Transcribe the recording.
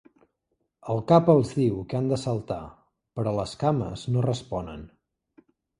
El cap els diu que han de saltar, però les cames no responen.